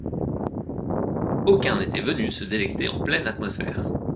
Aucun n'était venu se délecter en pleine atmosphère.